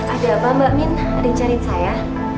ada apa mbak min ada yang cari saya